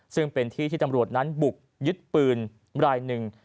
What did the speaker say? ซึ่งเป็นที่ที่ตำรวจนั้นบุกยึดปืนรายหนึ่ง